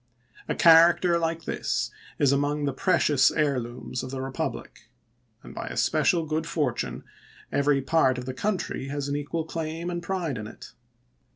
A character like this is among the precious heir looms of the Eepublic ; and by a special good for tune every part of the country has an equal claim and pride in it.